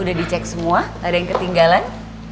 udah dicek semua ada yang ketinggalan